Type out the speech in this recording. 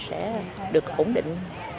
sẽ được ổn định